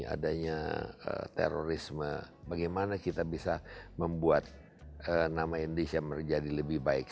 adanya terorisme bagaimana kita bisa membuat nama indonesia menjadi lebih baik